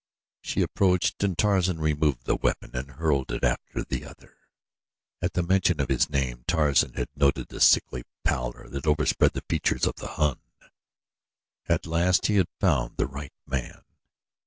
She approached and Tarzan removed the weapon and hurled it after the other. At the mention of his name Tarzan had noted the sickly pallor that overspread the features of the Hun. At last he had found the right man.